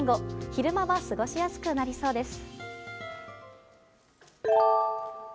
昼間は過ごしやすくなりそうです。